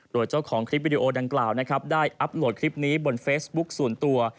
โดยเจ้าของคลิปวิดีโอดังกล่าวนะครับได้อัพโหลดคลิปนี้บนเฟซบุ๊คส่วนตัว